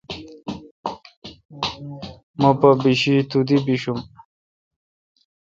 مہ پہ بشی تو دی بیشم۔